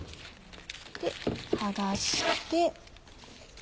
剥がして。